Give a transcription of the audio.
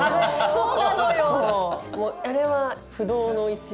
そうあれは不動の１位。